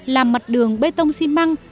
làm mặt đường bê tông xi măng